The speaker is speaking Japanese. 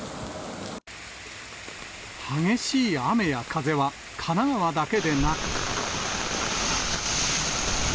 激しい雨や風は、神奈川だけでなく。